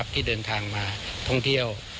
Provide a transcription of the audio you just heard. ที่เดินทางมาท่องเที่ยว